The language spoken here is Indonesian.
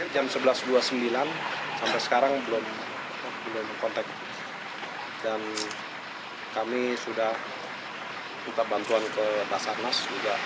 jam sebelas dua puluh sembilan sampai sekarang belum kontak dan kami sudah minta bantuan ke basarnas